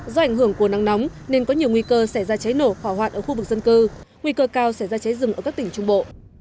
do ảnh hưởng của nắng nóng nên có nhiều nguy cơ xảy ra cháy nổ hỏa hoạn ở khu vực dân cư nguy cơ cao sẽ ra cháy rừng ở các tỉnh trung bộ